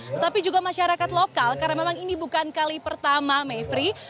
tetapi juga masyarakat lokal karena memang ini bukan kali pertama mavri